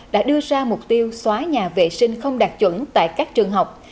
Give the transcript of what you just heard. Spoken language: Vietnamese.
đã đưa ra mục tiêu xóa nhà vệ sinh không đạt chuẩn tại các trường học